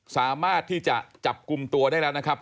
สามารถที่จะจับกลุ่มตัวได้แล้วนะครับ